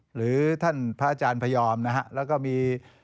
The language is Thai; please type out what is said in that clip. หรือท่านพระอาจารย์พยอมนะฮะแล้วก็มี